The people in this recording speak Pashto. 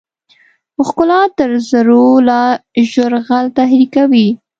ښکلا تر زرو لا ژر غل تحریکوي.